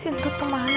sintut kemana ya